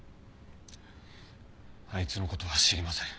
あいつの事は知りません。